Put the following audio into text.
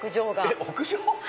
えっ屋上？